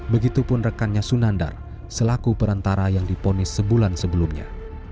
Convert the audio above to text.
begitupun rekannya sunandar selaku perantara yang diponis sebulan sebelumnya